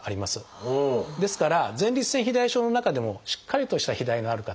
ですから前立腺肥大症の中でもしっかりとした肥大がある方